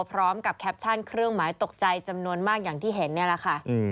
แคปชั่นเครื่องหมายตกใจจำนวนมากอย่างที่เห็นนี่แหละค่ะ